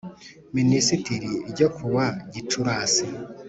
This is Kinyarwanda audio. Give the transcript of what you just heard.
Minisitiri n ryo ku wa gicurasi